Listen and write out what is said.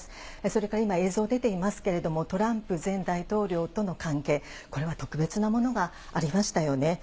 それから今、映像出ていますけれども、トランプ前大統領との関係、これは特別なものがありましたよね。